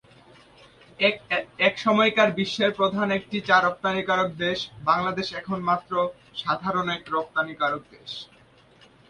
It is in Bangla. এক সময়কার বিশ্বের প্রধান একটি চা রপ্তানিকারক দেশ, বাংলাদেশ এখন মাত্র সাধারণ এক রপ্তানিকারক দেশ।